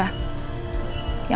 yang menurut saya